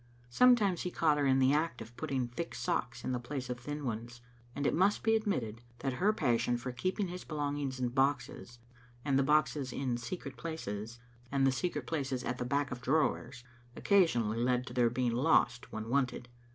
Sometimes he caught her in the act of putting thick socks in the place of thin ones, and it must be admitted that her passion for keeping his belongings in boxes, and the boxes in secret places, and the secret places at the back of drawers, occasionally led to their being lost when wanted.